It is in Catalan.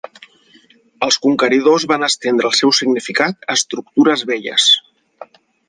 Els conqueridors van estendre el seu significat a estructures velles.